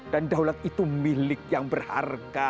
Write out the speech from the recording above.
dan daulat itu milik yang berharga